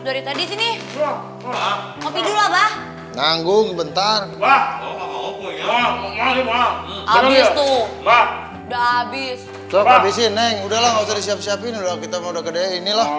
dari tadi sini nganggung bentar abis abis abisin udah siap siapin udah kita udah gedein inilah